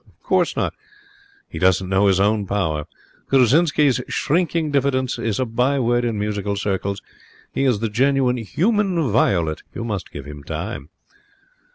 'Of course not. He doesn't know his own power. Grusczinsky's shrinking diffidence is a by word in musical circles. He is the genuine Human Violet. You must give him time.'